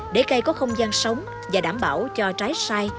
để cây có không gian sống và đảm bảo cho trái sai